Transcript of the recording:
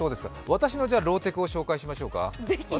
私のローテクを紹介しましょうか。